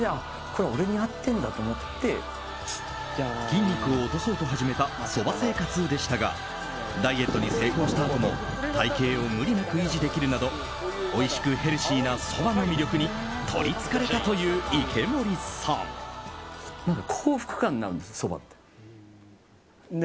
筋肉を落とそうと始めたそば生活でしたがダイエットに成功したあとも体形を無理なく維持できるなどおいしくヘルシーなそばの魅力に取りつかれたという池森さん。